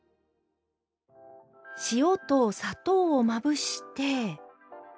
塩と砂糖をまぶして。